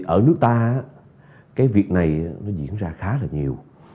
ở nước ta cái việc này nó diễn ra khá là nhiều